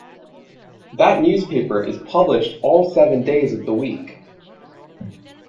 That newspaper is published all seven days of the week.